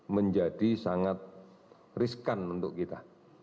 menjadi sangat riskan untuk kita